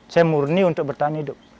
saya murni untuk bertahan hidup